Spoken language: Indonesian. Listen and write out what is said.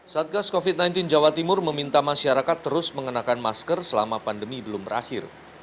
satgas covid sembilan belas jawa timur meminta masyarakat terus mengenakan masker selama pandemi belum berakhir